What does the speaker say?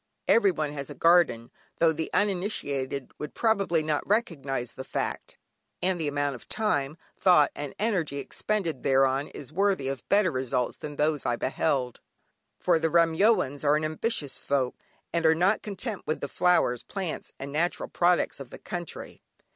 Everyone has a garden, though the uninitiated would probably not recognise the fact, and the amount of time, thought, and energy expended thereon is worthy of better results than those I beheld. For the "Remyoans" are ambitious folk, and are not content with the flowers, plants and natural products of the country.